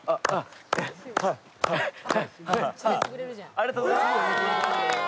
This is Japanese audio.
ありがとうございます。